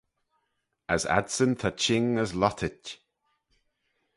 As adsyn ta çhing as lhottit.